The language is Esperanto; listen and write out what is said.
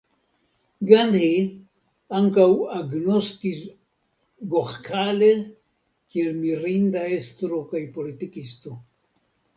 Gandhi ankaŭ agnoskis Goĥale kiel mirinda estro kaj politikisto.